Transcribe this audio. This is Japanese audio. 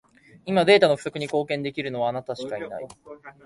今、データの不足に貢献できるのは、あなたしかいない。